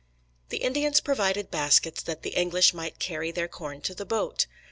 The Indians provided baskets that the English might carry their corn to the boat.